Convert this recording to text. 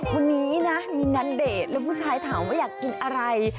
คนนี้นะมีณเดชน์แล้วผู้ชายถามว่าอยากกินอะไร